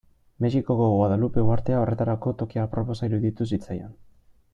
Mexikoko Guadalupe uhartea horretarako toki aproposa iruditu zitzaion.